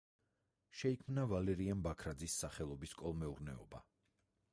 შეიქმნა ვალერიან ბაქრაძის სახელობის კოლმეურნეობა.